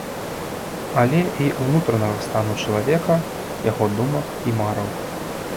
Але і ўнутранага стану чалавека, яго думак і мараў.